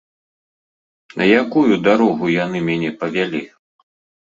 На якую дарогу яны мяне павялі!